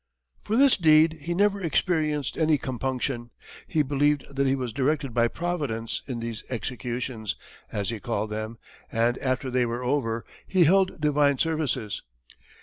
For this deed he never experienced any compunction; he believed that he was directed by Providence in these "executions," as he called them, and after they were over, he held divine services.